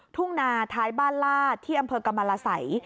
ทุ่งนาท้ายบ้านลาดที่อำเภอกรรมรสัย